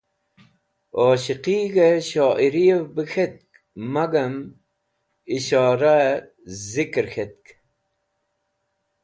Oshiqig̃hẽ shoyiriv bẽ k̃ht magam ishoraẽ zikẽr k̃het.